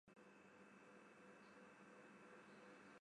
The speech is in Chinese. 善长从严厉的语调到变成紧张的语调和毛骨悚然的语调。